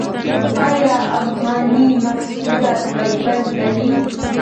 آیا افغاني محصولات لیبل لري؟